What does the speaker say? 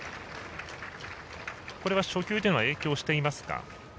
これは初球というのは影響していますか？